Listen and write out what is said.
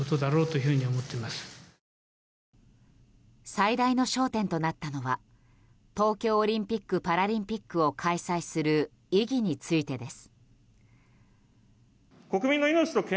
最大の焦点となったのは東京オリンピック・パラリンピックを開催する意義についてです。